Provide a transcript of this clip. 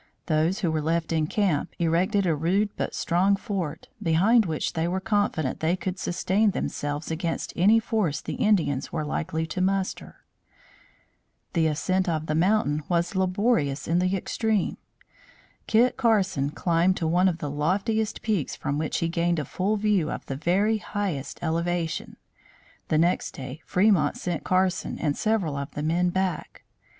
Those who were left in camp erected a rude but strong fort, behind which they were confident they could sustain themselves against any force the Indians were likely to muster. The ascent of the mountain was laborious in the extreme. Kit Carson climbed to one of the loftiest peaks from which he gained a full view of the very highest elevation. The next day Fremont sent Carson and several of the men back.